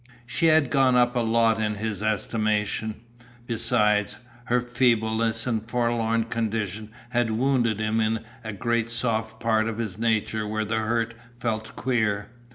She had gone up a lot in his estimation. Besides, her feebleness and forlorn condition had wounded him in a great soft part of his nature where the hurt felt queer.